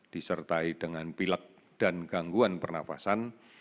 disertai dengan pilek dan gangguan pernafasan